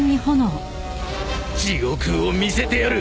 地獄を見せてやる！